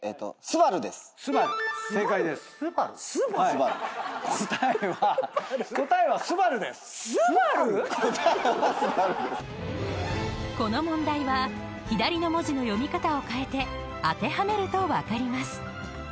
スバル⁉［この問題は左の文字の読み方を変えて当てはめると分かります］